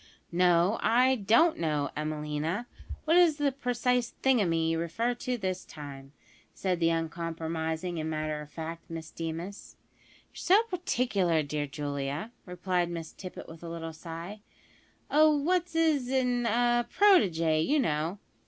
"No, I don't know, Emelina, what is the precise `thingumy' you refer to this time," said the uncompromising and matter of fact Miss Deemas. "You're so particular, dear Julia," replied Miss Tippet with a little sigh; "a what's 'is n , a protege, you know."